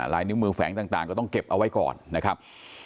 ลายนิ้วมือแฝงต่างก็ต้องเก็บเอาไว้ก่อนนะครับ